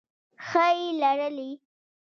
ښیښې لرلې.